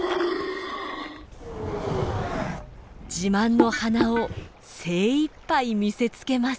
自慢の鼻を精いっぱい見せつけます。